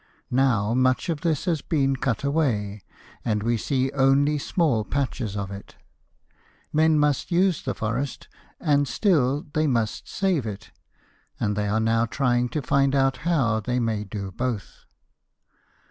Now much of this has been cut away, and we see only small patches of it. Men must use the forest, and still they must save it, and they are now trying to find out how they may do both.